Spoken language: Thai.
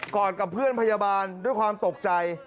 อดกับเพื่อนพยาบาลด้วยความตกใจ